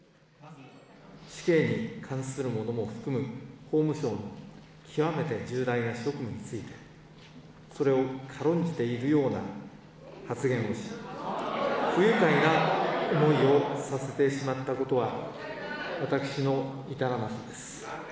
死刑に関するものも含む法務省の極めて重大な職務について、それを軽んじているような発言をし、不愉快な思いをさせてしまったことは、私の至らなさです。